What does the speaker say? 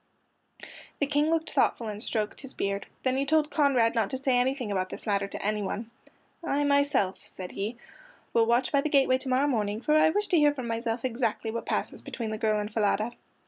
The King looked thoughtful and stroked his beard. Then he told Conrad not to say anything about this matter to anyone. "I myself," said he, "will watch by the gateway to morrow morning, for I wish to hear for myself exactly what passes between the girl and Falada."